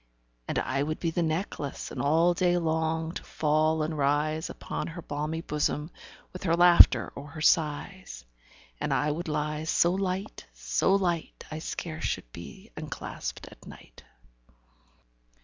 And I would be the necklace, And all day long to fall and rise Upon her balmy bosom, 15 With her laughter or her sighs: And I would lie so light, so light, I scarce should be unclasp'd at night.